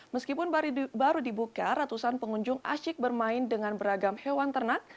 meskipun baru dibuka ratusan pengunjung asyik bermain dengan beragam hewan ternak